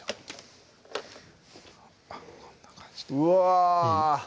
こんな感じでうわ